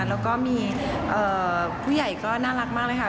แล้วก็มีผู้ใหญ่ก็น่ารักมากเลยค่ะ